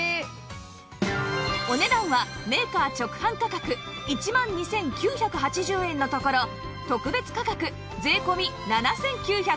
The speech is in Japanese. お値段はメーカー直販価格１万２９８０円のところ特別価格税込７９８０円